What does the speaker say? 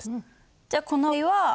じゃあこの場合は。